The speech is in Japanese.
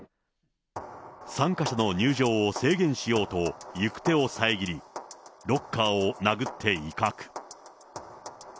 参加者の入場を制限しようと、行く手を遮り、ロッカーを殴って威嚇。